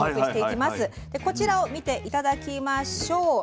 でこちらを見て頂きましょう。